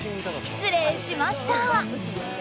失礼しました。